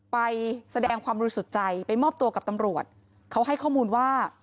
ไปแสดงความบริสุทธิ์ใจไปมอบตัวกับตำรวจเขาให้ข้อมูลว่า